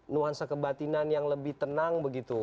nuansa kebatinan yang lebih tenang begitu